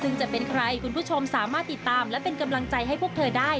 ซึ่งจะเป็นใครคุณผู้ชมสามารถติดตามและเป็นกำลังใจให้พวกเธอได้